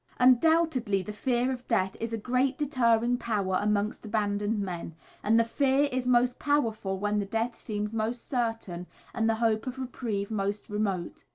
Undoubtedly the fear of death is a great deterring power amongst abandoned men, and the fear is most powerful when the death seems most certain and the hope of reprieve most remote.